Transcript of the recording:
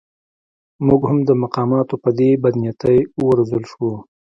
موږ هم د مقاماتو په دې بدنیتۍ و روزل شوو.